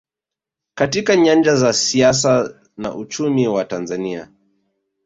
katika nyanja za siasa na uchumi wa Tanzania